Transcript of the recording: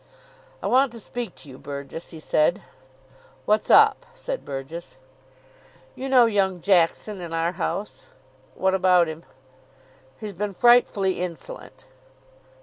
"I want to speak to you, Burgess," he said. "What's up?" said Burgess. "You know young Jackson in our house." "What about him?" "He's been frightfully insolent."